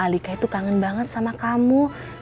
alika itu kangen banget sama kamu